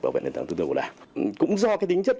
bảo vệ nền tảng tương tự của đảng cũng do cái tính chất